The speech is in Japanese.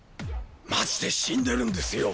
マジで死んでるんですよ